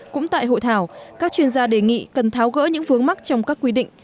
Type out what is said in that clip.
cũng tại hội thảo các chuyên gia đề nghị cần tháo gỡ những vướng mắt trong các quy định